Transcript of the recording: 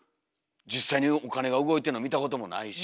実際にお金が動いてんの見たこともないし。